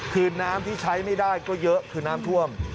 คือน้ำที่ใช้ไม่ได้ก็เยอะคือน้ำท่วม